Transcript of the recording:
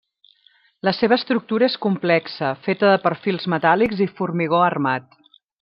La seva estructura és complexa, feta de perfils metàl·lics i formigó armat.